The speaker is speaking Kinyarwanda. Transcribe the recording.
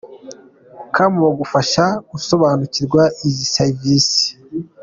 com bagufasha gusobanukirwa n izi servisi .